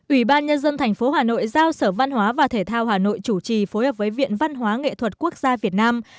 ủy ban nhân dân tp hà nội giao sở văn hóa và thể thao hà nội chủ trì phối hợp với viện văn hóa nghệ thuật quốc gia việt nam